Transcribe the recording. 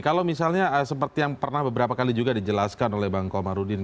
kalau misalnya seperti yang pernah beberapa kali juga dijelaskan oleh bang komarudin